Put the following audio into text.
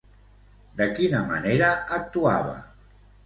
De quina manera actuava?